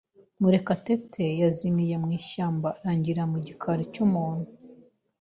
Murekatete yazimiye mu ishyamba arangirira mu gikari cy'umuntu.